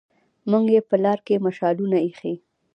موږ يې په لار کې مشالونه ايښي